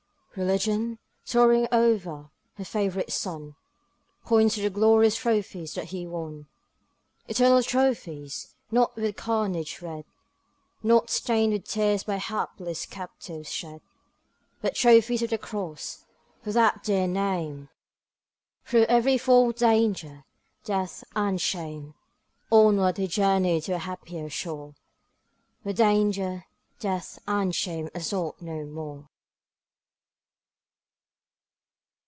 Religion, sorrowing o'er her favourite son, Points to the glorious trophies that he won. Eternal trophies! not with carnage red, Not stained with tears by hapless captives shed, But trophies of the Cross! for that dear name, Through every form of danger, death, and shame, Onward he journeyed to a happier shore, Where danger, death, and shame assault no more.